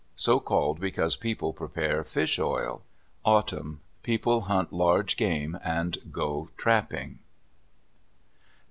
So called because people prepare fish oil. Autumn.—People hunt large game and go trapping.